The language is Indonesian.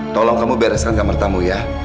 tolong kamu bereskan kamar tamu ya